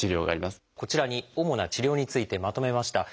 こちらに主な治療についてまとめました。